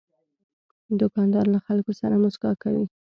دوکاندار له خلکو سره مسکا کوي.